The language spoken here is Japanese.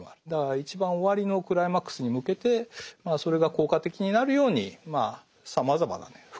だから一番終わりのクライマックスに向けてそれが効果的になるようにさまざまなね